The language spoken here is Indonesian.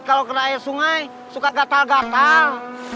kalau ke air sungai suka gatal gatal